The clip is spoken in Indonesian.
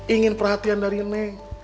ingin perhatian dari neng